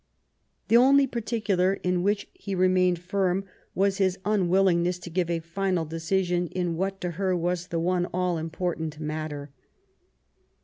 '* The only particular in which he remained firm was his un willingness to give a final decision in what, to her, was the one all important matter.